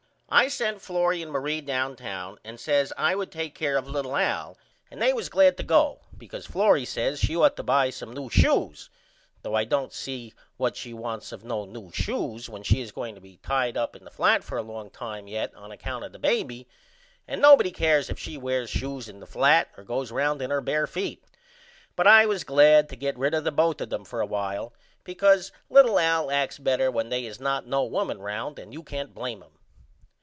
I sent Florrie and Marie downtown and says I would take care of little Al and they was glad to go because Florrie says she should ought to buy some new shoes though I don't see what she wants of no new shoes when she is going to be tied up in the flat for a long time yet on account of the baby and nobody cares if she wears shoes in the flat or goes round in her bear feet. But I was glad to get rid of the both of them for a while because little Al acts better when they is not no women round and you can't blame him.